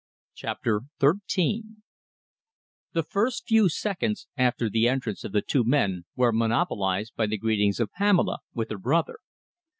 CHAPTER XIII The first few seconds after the entrance of the two men were monopolised by the greetings of Pamela with her brother.